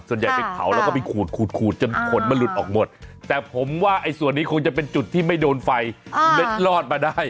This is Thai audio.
ส่วนใหญ่เป็นเผาแล้วก็ไปขูดจนขนมันหลุดออกหมดแต่ผมว่าส่วนนี้จะเป็นจุดที่ไม่โดนไฟเล็กลอดมาได้